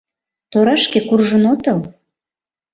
Торашке куржын отыл!»